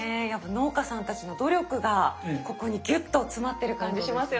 農家さんたちの努力がここにギュッと詰まってる感じしますよね。